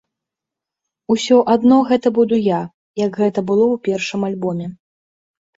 Усё адно гэта буду я, як гэта было ў першым альбоме.